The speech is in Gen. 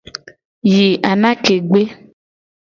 Yi anake gbe.